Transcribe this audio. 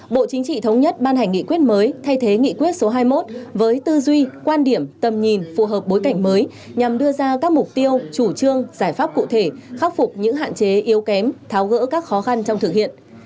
bộ chính trị thống nhất ban hành nghị quyết mới thay thế nghị quyết số hai mươi một với tư duy quan điểm tầm nhìn phù hợp bối cảnh mới nhằm đưa ra các mục tiêu chủ trương giải pháp cụ thể khắc phục những hạn chế yếu kém tháo gỡ các khó khăn trong thực hiện